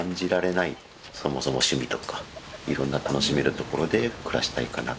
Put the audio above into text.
そもそも趣味とかいろんな楽しめる所で暮らしたいかな。